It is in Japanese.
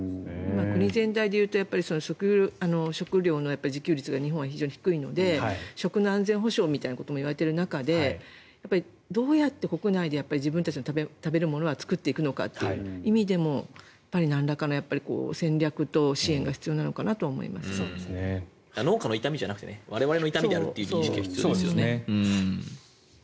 国全体で言うと食糧の自給率が日本は非常に低いので食の安全保障も言われている中でどうやって国内で自分達が食べるものを作っていくのかという意味でもなんらかの戦略と支援が農家の痛みではなくて我々の痛みであるという認識が必要ですよね。